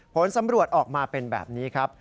ผลสำรวจออกมาเป็นแบบนี้ครับ